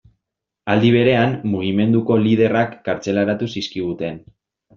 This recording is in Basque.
Aldi berean, mugimenduko liderrak kartzelaratu zizkiguten.